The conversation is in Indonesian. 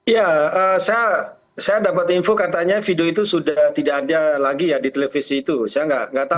ya saya dapat info katanya video itu sudah tidak ada lagi ya di televisi itu saya enggak tahu